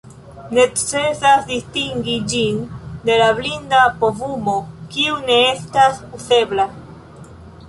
Necesas distingi ĝin de la blinda povumo, kiu ne estas uzebla.